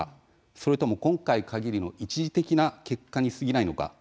それとも今回かぎりの一時的な結果にすぎないのか